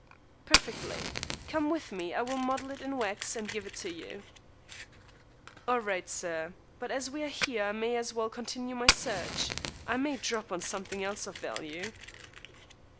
"Perfectly. Come with me. I will model it in wax and give it to you." "All right, sir; but as we are here I may as well continue my search. I may drop on something else of value."